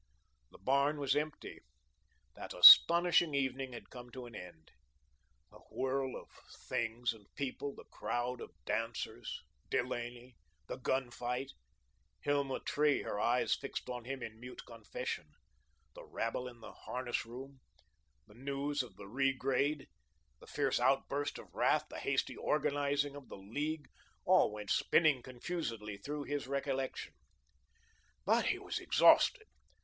The barn was empty. That astonishing evening had come to an end. The whirl of things and people, the crowd of dancers, Delaney, the gun fight, Hilma Tree, her eyes fixed on him in mute confession, the rabble in the harness room, the news of the regrade, the fierce outburst of wrath, the hasty organising of the League, all went spinning confusedly through his recollection. But he was exhausted.